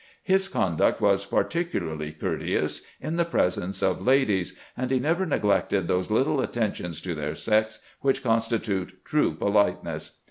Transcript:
His conduct was particularly courteous in the presence of ladies, and he never neg lected those little attentions to their sex which consti tute true politeness.